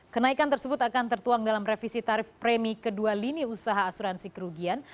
kenaikan tersebut akan tertuang dalam revisi tarif premi kedua lini usaha asuransi kerugian